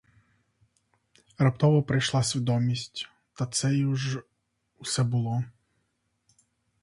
Раптово прийшла свідомість — та це ж усе було!